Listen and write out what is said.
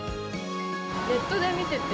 ネットで見てて。